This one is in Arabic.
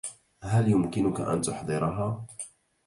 هل يمكنك أن تحضرها؟